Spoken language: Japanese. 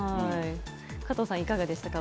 加藤さん、いかがでしたか？